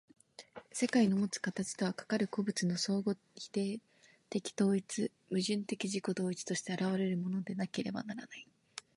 世界のもつ形とは、かかる個物の相互否定的統一、矛盾的自己同一として現れるものでなければならない。